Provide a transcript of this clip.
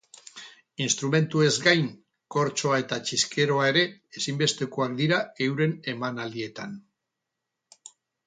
Instrumentuez gain, kortxoa eta txiskeroa ere ezinbestekoak dira euren emanaldietan.